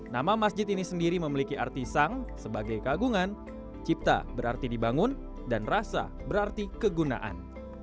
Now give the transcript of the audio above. nama masjid ini sendiri memiliki arti sang sebagai kagungan cipta berarti dibangun dan rasa berarti kegunaan